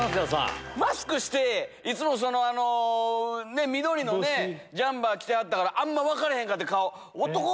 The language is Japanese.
マスクして、いつもその、緑のね、ジャンパー着てはったから、あんま分かれへんかって、顔。